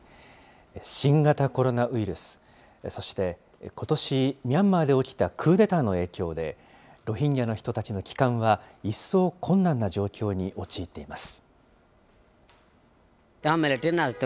新型コロナウイルス、そして、ことしミャンマーで起きたクーデターの影響で、ロヒンギャの人たちの帰還は一層困難な状況に陥っています。